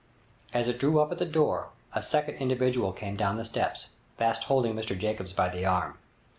As it drew up at the door, a second individual came down the steps, fast holding Mr Jacobs by the arm.